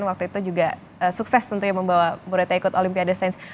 waktu itu juga sukses tentunya membawa muridnya ikut olimpiade sains